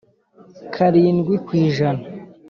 karindwi ku ijana